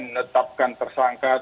kompolnas ini masih lanjut